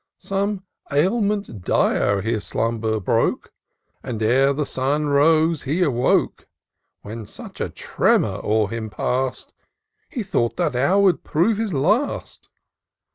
Some ailment dire his slumbers broke. And, ere the sun arose he awoke ; When such a tremor o'er him pass'd. He thought that hour would prove his last.